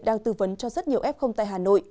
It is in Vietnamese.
đang tư vấn cho rất nhiều f tại hà nội